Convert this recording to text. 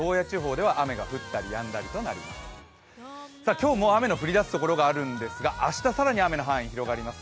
今日も雨の降り出すところがあるんですが明日、更に雨の範囲広がります。